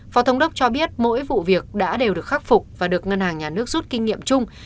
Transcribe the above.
phó thống đốc cho biết mỗi vụ việc đã đều được khắc phục và được ngân hàng nhà nước rút kinh nghiệm chung